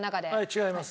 違います。